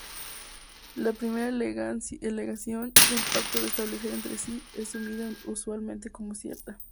La primera alegación, del pacto de entablar entre sí, es asumida usualmente como cierta.